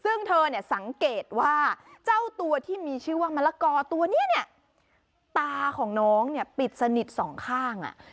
ซึ่งเธอเนี่ยสังเกตว่าเจ้าตัวที่มีชื่อว่ามะละกอตัวนี้เนี่ยตาของน้องเนี่ยปิดสนิทสองข้างอ่ะ